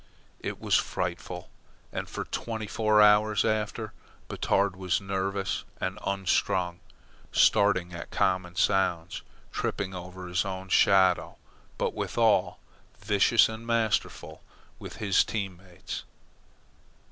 It was frightful, and for twenty four hours after, Batard was nervous and unstrung, starting at common sounds, tripping over his own shadow, but, withal, vicious and masterful with his team mates.